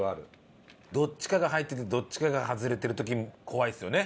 どっちかが入っててどっちかが外れてる時怖いですよね。